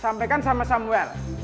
sampaikan sama samuel